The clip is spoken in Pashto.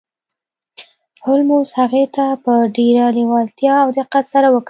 هولمز هغې ته په ډیره لیوالتیا او دقت سره وکتل